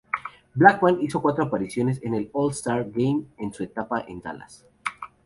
Blackman hizo cuatro apariciones en el All-Star Game en su etapa en Dallas.